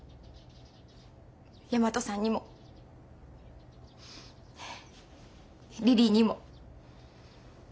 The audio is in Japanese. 大和さんにもリリーにも。